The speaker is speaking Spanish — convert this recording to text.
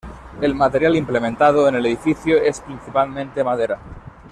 El material implementado en el edificio es principalmente madera.